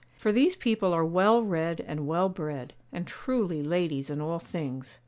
For these people are well read and well bred, and truly ladies in all things.